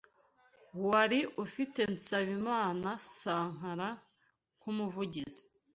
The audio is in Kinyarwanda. wari ufite Nsabimana “Sankara” nk’umuvugizi